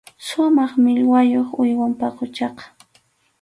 Sumaq millwayuq uywam paquchaqa.